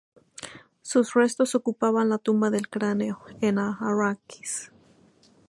Sus restos ocupan la "Tumba del Cráneo", en Arrakis.